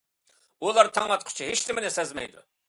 ئۇلار تاڭ ئاتقۇچە ھېچ نېمىنى سەزمەيدۇ.